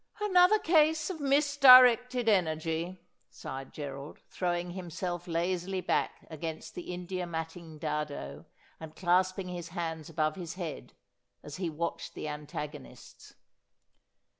' Another case of misdirected energy,' sighed Gerald, throw ing himself lazily bajk against the India matting dado, and clasping his hands above his head, as he watched the anta gonists.